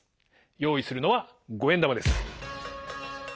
用意するのは５円玉です。